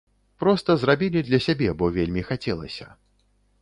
Проста зрабілі для сябе, бо вельмі хацелася.